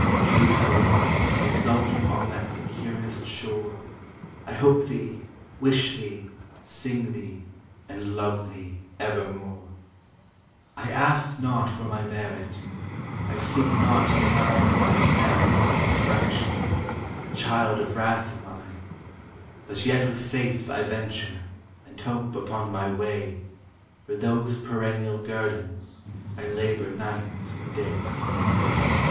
Jerusalem, exulting On that securest shore, 1 hope thee, wish thee, sing thee. And love thee evermore! I ask not for my merit, 1 seek not to denj T My merit is destruction, A child of wrath am I ; But yet with faith I venture And hope upon my way ; For those perennial guerdons I labor night and day.